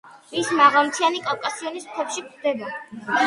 ის მაღალმთიანი კავკასიონის მთებში გვხვდება.